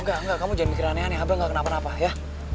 enggak enggak kamu jangan mikir aneh aneh abah gak kenapa napa ya